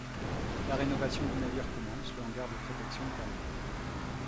La rénovation du navire commence, le hangar de protection est terminé.